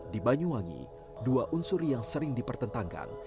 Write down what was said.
di banyuwangi dua unsur yang sering dipertentangkan